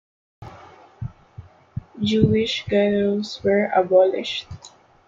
Jewish ghettos were abolished.